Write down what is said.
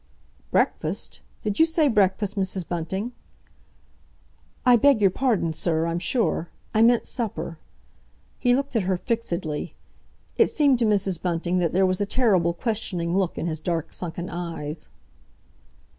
"Breakfast? Did you say breakfast, Mrs. Bunting?" "I beg your pardon, sir, I'm sure! I meant supper." He looked at her fixedly. It seemed to Mrs. Bunting that there was a terrible questioning look in his dark, sunken eyes.